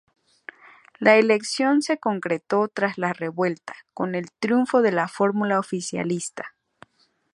La elección se concretó tras la revuelta, con el triunfo de la fórmula oficialista.